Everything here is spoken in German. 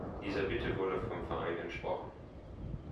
Dieser Bitte wurde vom Verein entsprochen.